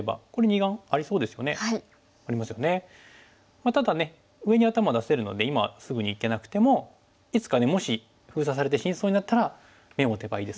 まあただね上に頭出せるので今すぐにいけなくてもいつかねもし封鎖されて死にそうになったら眼を持てばいいですから。